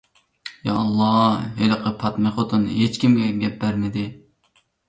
يائاللا، ھېلىقى پاتمىخوتۇن ھېچكىمگە گەپ بەرمىدى.